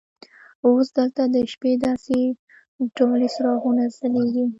اوس دلته د شپې داسې ډولي څراغونه ځلیږي.